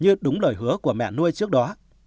như đúng lời hứa của mẹ nuôi trước đó